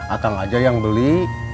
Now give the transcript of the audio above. akang aja yang beli